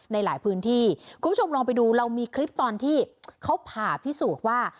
ในหลายพื้นที่คุณผู้ชมลองไปดูเรามีคลิปตอนที่เขาผ่าพิสูจน์ว่า